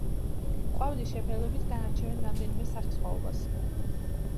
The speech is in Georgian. ყვავილის შეფერილობით განარჩევენ რამდენიმე სახესხვაობას.